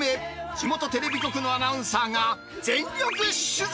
地元テレビ局のアナウンサーが、全力取材。